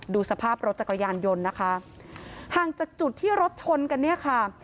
ดูสภาพรถจักรยานยนต์นะคะห่างจากจุดที่รถชนกันเนี่ยค่ะ